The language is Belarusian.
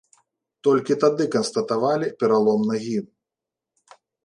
Толькі тады канстатавалі пералом нагі.